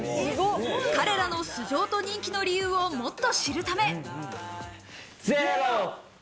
彼らの素性と人気の理由をもっと知るため。